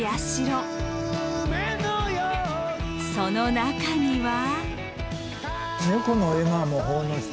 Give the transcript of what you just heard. その中には。